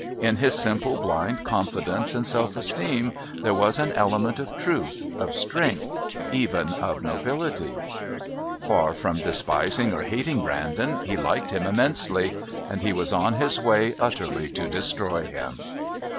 In his simple blind confidence and self esteem there was an element of truth, of strength, even of nobility. Far from despising or hating Brandon, he liked him immensely and he was on his way utterly to destroy him.